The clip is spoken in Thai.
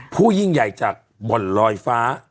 ผู้ยิ่งใหญ่จากบ่นรอยฟ้า